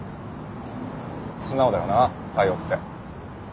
素直だよな太陽って。